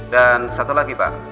dan satu lagi pak